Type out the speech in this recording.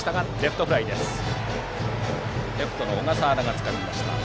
レフトの小笠原がつかみました。